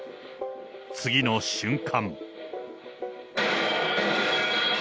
次の瞬間。